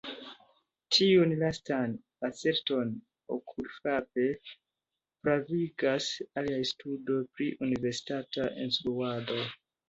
Tiun lastan aserton okulfrape pravigas alia studo pri universitata instruado.